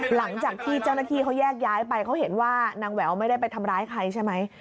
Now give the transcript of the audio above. หลังจากที่เจ้าหน้าที่เขาแยกย้ายไปเขาเห็นว่านางแหววไม่ได้ไปทำร้ายใครใช่ไหม